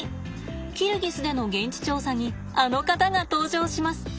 キルギスでの現地調査にあの方が登場します。